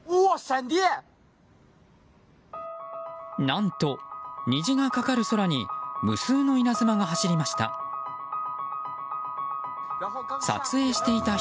何と、虹がかかる空に無数の稲妻が走りました。